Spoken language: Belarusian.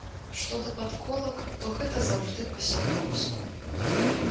Што да падколак, то гэта заўжды па-сяброўску.